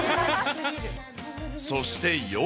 そして夜。